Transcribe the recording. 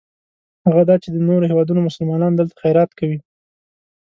هغه دا چې د نورو هېوادونو مسلمانان دلته خیرات کوي.